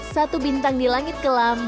satu bintang di langit kelam